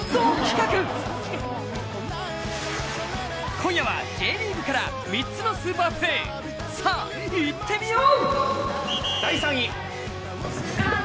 今夜はＪリーグから３つのスーパープレーさあ、いってみよう！